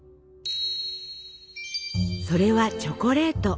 それはチョコレート。